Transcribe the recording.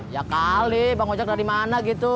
ya kali bang ojek dari mana gitu